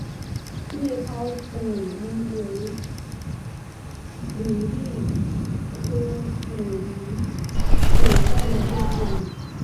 叶苞紫堇为罂粟科紫堇属下的一个种。